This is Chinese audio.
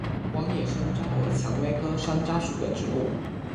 光叶山楂为蔷薇科山楂属的植物。